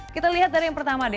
kita lihat dari yang pertama deh